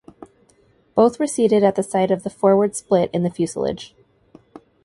Both were seated at the site of the forward split in the fuselage.